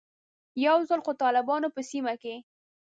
یو ځل خو طالبان په سیمه کې.